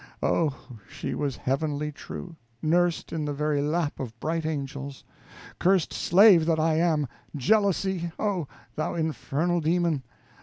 Oh, she was heavenly true, nursed in the very lap of bright angels! Cursed slave that I am! Jealousy, oh! thou infernal demon!